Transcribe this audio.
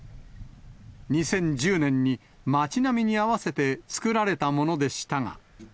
２０１０年に町並みに合わせて造られたものでしたが。